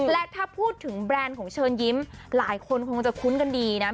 และถ้าพูดถึงแบรนด์ของเชิญยิ้มหลายคนคงจะคุ้นกันดีนะ